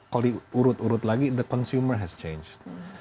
kalau diurut urut lagi the consumer has change